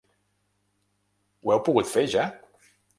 Ho heu pogut fer ja?